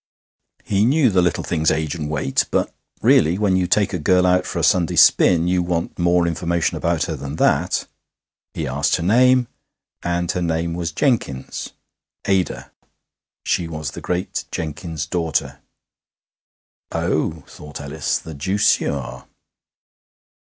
He knew the little thing's age and weight, but, really, when you take a girl out for a Sunday spin you want more information about her than that. Her asked her name, and her name was Jenkins Ada. She was the great Jenkins's daughter. ('Oh,' thought Ellis, 'the deuce you are!')